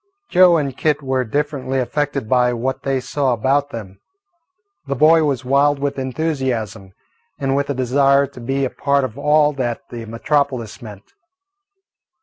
Joe and Kit were differently affected by what they saw about them. The boy was wild with enthusiasm and with a desire to be a part of all that the metropolis meant.